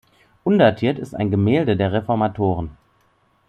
Undatiert ist ein Gemälde der Reformatoren.